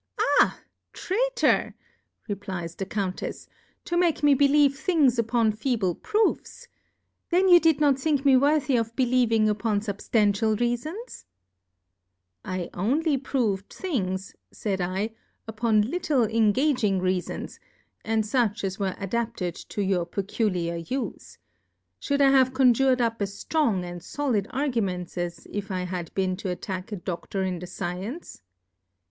Ah ! Tray tor, repl/es the CouMcfs^ to make me believe things upon feeble Proofs : Then^ you did not think me worthy of believ ing upon fubrtantial Reafons f I only prov'd things, fays /, upon little enga ging Reafons, and fuch as were a dapted to your peculiar Ufe : Should I have conjur'd up as ftrong and folid Arguments, as if I had been to attack a Dodor in the Science